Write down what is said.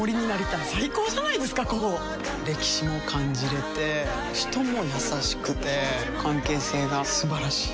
歴史も感じれて人も優しくて関係性が素晴らしい。